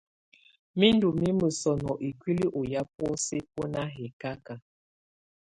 Nù ndù mimǝ sɔnɔ ikuili ɔ ya bɔ̀ósɛ bu nà hɛkaka.